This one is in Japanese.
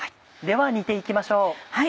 では煮て行きましょう。